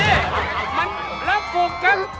เม่มันรับโปรปเก็บ